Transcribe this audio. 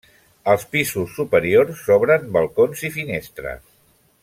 Als pisos superiors s'obren balcons i finestres.